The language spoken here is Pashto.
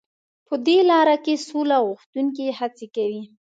په دې لاره کې سوله غوښتونکي هڅې کوي.